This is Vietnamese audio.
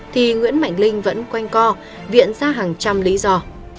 thì nguyễn mạnh linh vẫn quen co viện ra hàng trăm lý do